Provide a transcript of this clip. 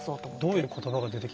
どういう言葉が出てきました？